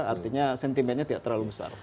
artinya sentimennya tidak terlalu besar